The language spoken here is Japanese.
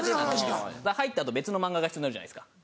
入った後別の漫画が必要になるじゃないですか。